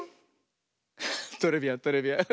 トレビアントレビアン。